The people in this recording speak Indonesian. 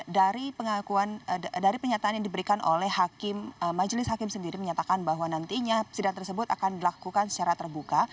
dan dari penyataan yang diberikan oleh majelis hakim sendiri menyatakan bahwa nantinya sidang tersebut akan dilakukan secara terbuka